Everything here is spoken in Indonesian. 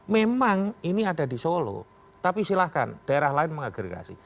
memang ini ada di solo tapi silahkan daerah lain mengagregasi